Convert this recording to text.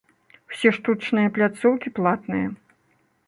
Усе штучныя пляцоўкі платныя.